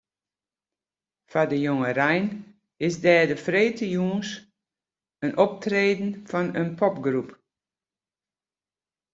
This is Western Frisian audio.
Foar de jongerein is der de freedtejûns in optreden fan in popgroep.